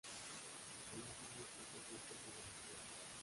Se conoce muy pocos datos sobre el club.